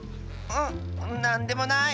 んなんでもない。